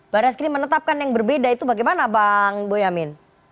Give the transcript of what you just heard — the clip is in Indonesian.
baris krim menetapkan yang berbeda itu bagaimana bang boyamin